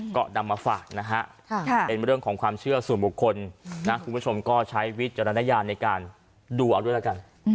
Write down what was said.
ก็นำมาฝากนะฮะเป็นเรื่องของความเชื่อส่วนบุคคลนะคุณผู้ชมก็ใช้วิจารณญาณในการดูเอาด้วยแล้วกัน